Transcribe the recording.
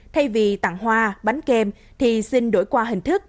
thay vì tặng hoa bánh kem thì xin đổi qua hình thức